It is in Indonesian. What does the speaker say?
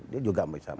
dia juga menyesal